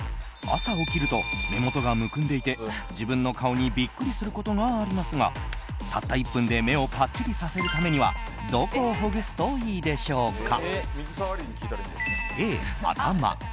朝起きると目元がむくんでいて自分の顔にビックリすることがありますがたった１分で目をパッチリさせるためにはどこをほぐすといいでしょうか？